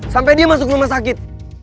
sampai dia masuk rumah sakit